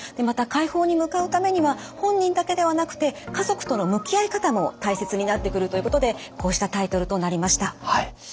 また快方に向かうためには本人だけではなくて家族との向き合い方も大切になってくるということでこうしたタイトルとなりました。